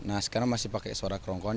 nah sekarang masih pakai suara kerongkohan